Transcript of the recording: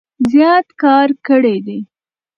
زيات کار کړي دی